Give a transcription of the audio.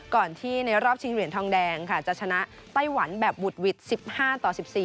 ก่อนที่ในรอบชิงเหรียญทองแดงค่ะจะชนะไต้หวันแบบบุดหวิด๑๕ต่อ๑๔